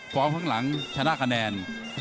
ข้างหลังชนะคะแนน